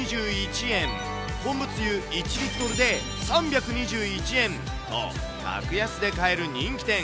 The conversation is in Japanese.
昆布つゆ１リットルで３２１円と、格安で買える人気店。